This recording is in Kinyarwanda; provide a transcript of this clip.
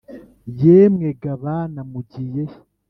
Yemwe ga bana mugiye he